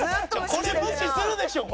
これ無視するでしょ。